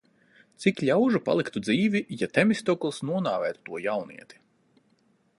Cik ļaužu paliktu dzīvi, ja Temistokls nonāvētu to jaunieti?